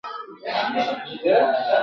پکښي غورځي د پلار وينه ..